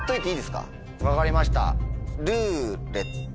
分かりました。